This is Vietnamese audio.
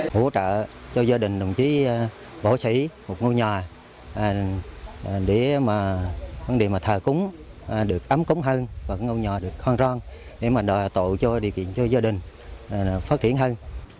hỗ trợ cho gia đình đồng chí võ sĩ một ngôi nhà để mà thờ cúng được ấm cúng hơn và ngôi nhà được hoang rong để mà tổ cho địa kiện cho gia đình phát triển hơn